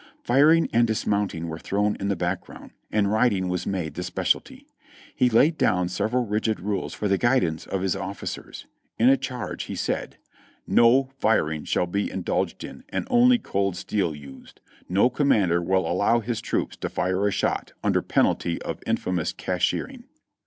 Firing and dismounting were thrown in the background, and riding was made the specialty; he laid down several rigid rules for the guidance of his officers. In a charge, he said : "No firing shall be indulged in, and only cold steel used. No commander will allow his troops to fire a shot under penalty of infamous cashiering."